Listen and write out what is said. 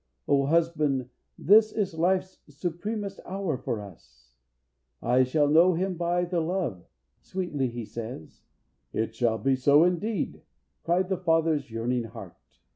O husband, this is life's Supremest hour for us! 'I shall know him By the love,' sweetly he says." "It shall be So indeed!" cried the father's yearning heart.